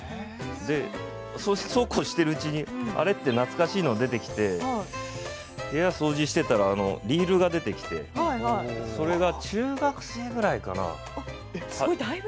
そうこうしているうちに懐かしいものが出てきて部屋を掃除してたらリールが出てきてそれが中学生ぐらいかな？